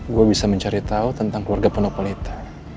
gue bisa mencari tahu tentang keluarga ponopolita